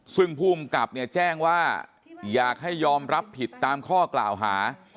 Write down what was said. ซึ่งภูมิกับเนี่ยแจ้งว่าอยากให้ยอมรับผิดตามข้อกล่าวหา